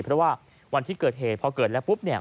เพราะว่าวันที่เกิดเหตุพอเกิดแล้วปุ๊บเนี่ย